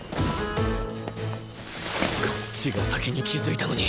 こっちが先に気づいたのに。